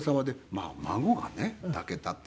まあ孫がね抱けたっていうのが。